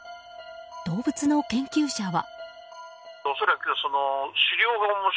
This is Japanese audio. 動物の研究者は。